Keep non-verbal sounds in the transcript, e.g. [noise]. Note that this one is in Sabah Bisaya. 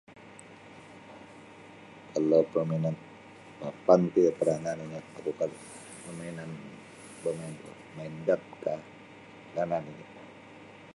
Kalau permainan papan ti paranah nini' [unintelligible] permainan main dartkah parnah nini'.